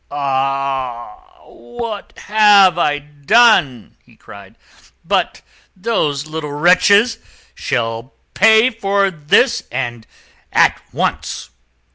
"Ah! what have I done here?" he cried; "but those little wretches shall pay for this, and at once."